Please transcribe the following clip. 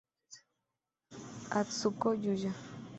Atsuko Yuya